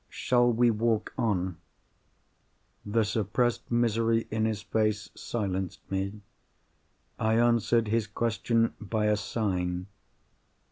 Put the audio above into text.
Shall we walk on?" The suppressed misery in his face silenced me. I answered his question by a sign.